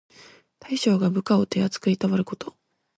大将が部下を手あつくいたわること。